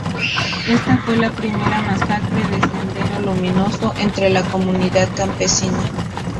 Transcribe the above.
Esta fue la primera masacre de Sendero Luminoso entre la comunidad campesina.